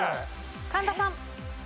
神田さん。